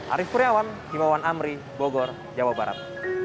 arief kuryawan jimawan amri bogor jawa barat